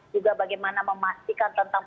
juga bagaimana memastikan tentang